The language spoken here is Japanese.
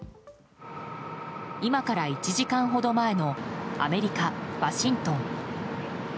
今から１時間ほど前のアメリカ・ワシントン。